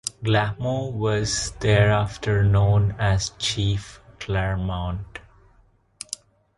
Glahmo was thereafter known as Chief Clermont.